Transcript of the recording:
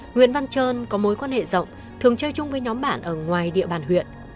nguyễn văn trơn có mối quan hệ rộng thường chơi chung với nhóm bạn ở ngoài địa bàn huyện